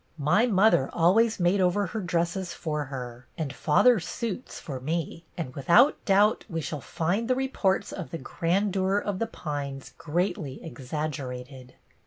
My mother always made over her dresses for her and father's suits for me ; and without doubt we shall find the reports of the grandeur of The Pines greatly exaggerated."